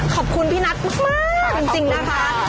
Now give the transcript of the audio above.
ขอบคุณพี่นัทมากจริงนะคะขอบคุณค่ะ